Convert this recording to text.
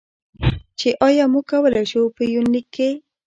چې ایا موږ کولی شو، په یونلیک کې.